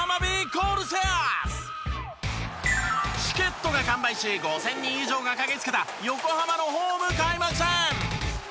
チケットが完売し５０００人以上が駆けつけた横浜のホーム開幕戦。